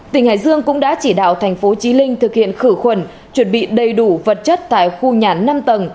tỉnh hải dương cũng đã chỉ đạo thành phố trí linh thực hiện khử khuẩn chuẩn bị đầy đủ vật chất tại khu nhà năm tầng